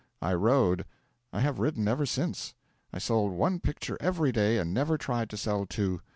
I rode. I have ridden ever since. I sold one picture every day, and never tried to sell two.